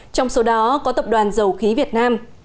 trong số đó có tập đoàn dầu khí việt nam